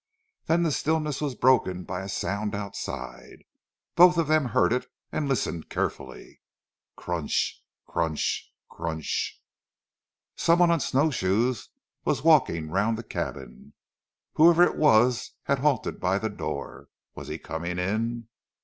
Then the stillness was broken by a sound outside. Both of them heard it, and listened carefully. "Crunch! crunch! crunch!" Some one on snow shoes was walking round the cabin. Whoever it was had halted by the door. Was he coming in?